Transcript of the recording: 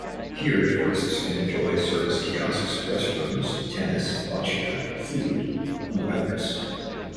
Here tourists can enjoy service kiosks, restrooms, tennis Boccia, food, among others.